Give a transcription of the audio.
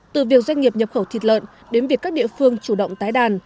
từ việc doanh nghiệp nhập khẩu thịt lợn đến việc các địa phương chủ động tái đàn